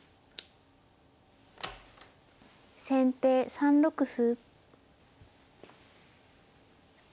先手３六歩。